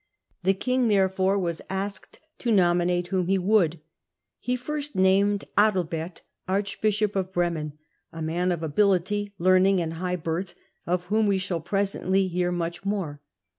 The king ther efore was asked tp.nominat©^ whom he would. He first named Adalbert, archbishop of Bremen, a man of ability, learning, and high birth, of whom we shall presently hear much more.